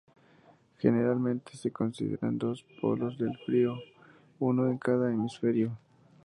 Generalmente se consideran dos Polos del frío, uno en cada hemisferio.